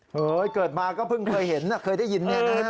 เกิดมาก็เพิ่งเคยเห็นเคยได้ยินเนี่ยนะฮะ